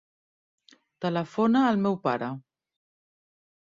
Telefona al meu pare.